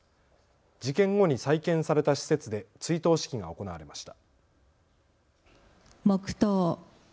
事件後に再建された施設で追悼式が行われました。